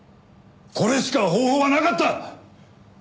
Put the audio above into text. これしか方法はなかった！